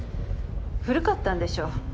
古かったんでしょう。